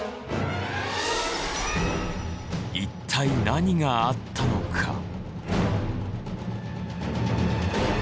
一体何があったのか？